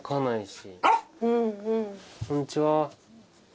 こんにちは。